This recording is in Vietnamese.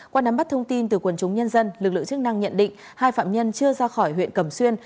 qua nắm bắt thông tin từ quần chúng nhân dân lực lượng chức năng nhận định hai phạm nhân chưa ra khỏi huyện cẩm xuyên